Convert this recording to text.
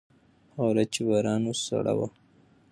هغه ورځ چې باران و، سړه وه.